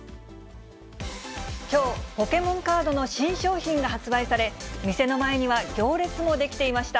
きょう、ポケモンカードの新商品が発売され、店の前には行列も出来ていました。